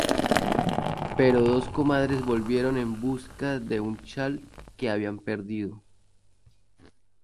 Pero dos comadres volvieron en busca de un chal que habían perdido.